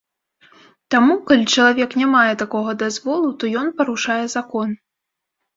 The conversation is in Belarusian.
Таму, калі чалавек не мае такога дазволу, то ён парушае закон.